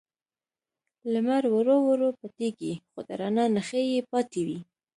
لمر ورو ورو پټیږي، خو د رڼا نښې یې پاتې وي.